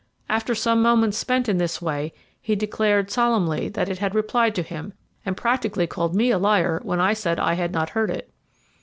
After some moments spent in this way he declared solemnly that it had replied to him, and practically called me a liar when I said I had not heard it.